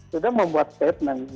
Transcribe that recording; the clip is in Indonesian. sudah membuat statement